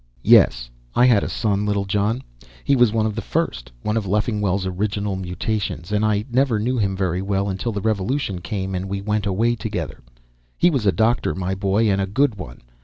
"Yes, I had a son, Littlejohn. He was one of the first, one of Leffingwell's original mutations, and I never knew him very well until the revolution came and we went away together. He was a doctor, my boy, and a good one.